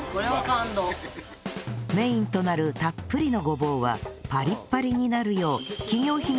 メインとなるたっぷりのごぼうはパリッパリになるよう企業秘密の方法でフライ